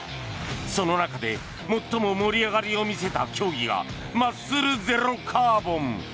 その中で最も盛り上がりを見せた競技がマッスルゼロカーボン。